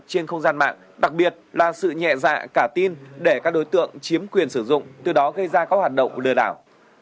trên không gian mạng đặc biệt là sự nhẹ dạ cả tin để các đối tượng chiếm quyền sử dụng từ đó gây ra các hoạt động lừa đảo